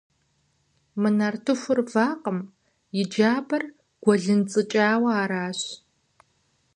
Мы нартыхур жьакъым, и джабэр гуэлынцӏыкӏауэ аращ.